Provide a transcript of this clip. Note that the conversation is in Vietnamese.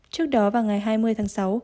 trước đó vào ngày hai mươi tháng sáu